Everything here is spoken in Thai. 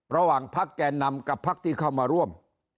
ระหว่างพักแก่นำกับพักที่เข้ามาร่วม